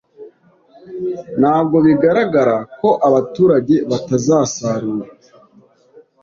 nabwo bigaragara ko abaturage batazasarura